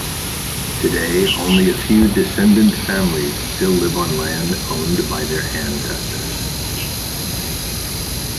Today, only a few descendant families still live on land owned by their ancestors.